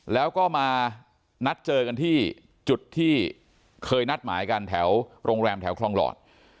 แล้วก็มานัดเจอกันที่จุดที่เคยนัดหมายกันแถวโรงแรมแถวคลองหลอด